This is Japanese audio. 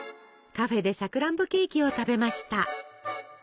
カフェでさくらんぼケーキを食べました。